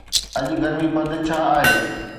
اڄ گرمي پد ڇا آهي؟